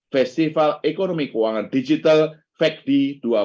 festival ekonomi keuangan digital fakdi dua ribu dua puluh dua